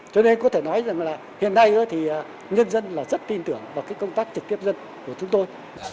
cho nên có thể nói rằng là hiện nay thì nhân dân là rất tin tưởng vào cái công tác trực tiếp dân của chúng tôi